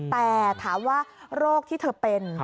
แต่ถามว่าโรคที่เธอเป็น